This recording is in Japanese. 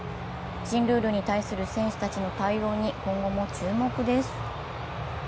新ルールに対する選手たちの対応に今後も注目です。